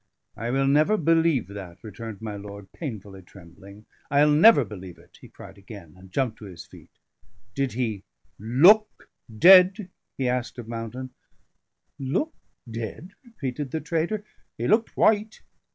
"I will never believe that," returned my lord, painfully trembling. "I'll never believe it!" he cried again, and jumped to his feet. "Did he look dead?" he asked of Mountain. "Look dead?" repeated the trader. "He looked white.